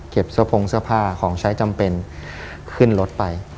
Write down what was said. เสื้อพงเสื้อผ้าของใช้จำเป็นขึ้นรถไป